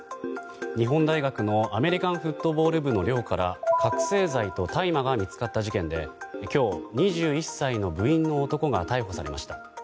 日本大学のアメリカンフットボール部の寮から覚醒剤と大麻が見つかった事件で今日、２１歳の部員の男が逮捕されました。